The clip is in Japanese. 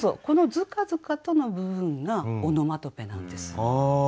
この「づかづかと」の部分がオノマトペなんです。